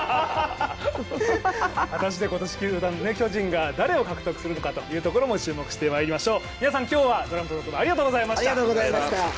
果たして今年、巨人が誰を獲得するのかも注目してまいりましょう。